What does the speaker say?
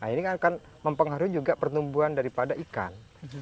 ini kan akan mempengaruhi juga pertumbuhan daripada ikan